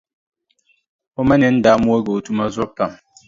O ma nini daa moogi o tuma zuɣu pam.